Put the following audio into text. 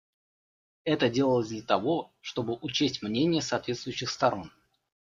Это делалось для того, чтобы учесть мнения соответствующих сторон.